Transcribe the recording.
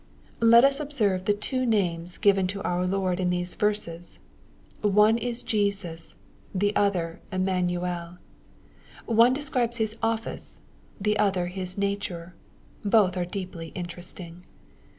Let us observe the two names given to our Lord in these verses. One is Jesus : the other Emmanuel. One de« scribes His office ; the other His nature. Both are deeply interesting.